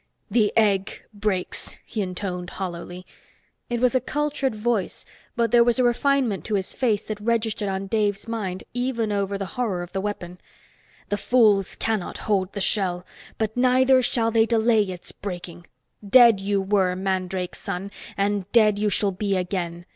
"The Egg breaks," he intoned hollowly. It was a cultured voice, and there was a refinement to his face that registered on Dave's mind even over the horror of the weapon. "The fools cannot hold the shell. But neither shall they delay its breaking. Dead you were, mandrake son, and dead you shall be again.